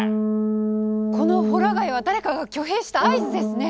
このほら貝は誰かが挙兵した合図ですね。